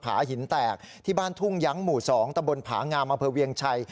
ผาหินแตกที่บ้านทุ่งยั้งหมู่๒ตะบนผางามอำเภอเวียงชัย